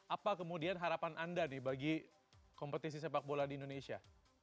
apa kemudian harapan anda nih bagi kompetisi sepak bola di indonesia